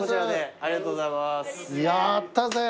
ありがとうございます。